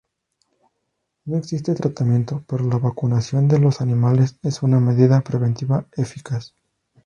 No existe tratamiento, pero la vacunación de los animales es una medida preventiva eficaz.